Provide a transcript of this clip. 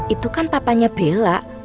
itu kan papanya bella